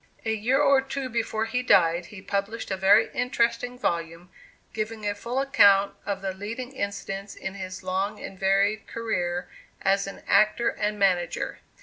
A year or two before he died, he published a very interesting volume, giving a full account of the leading incidents in his long and varied career as an actor and manager.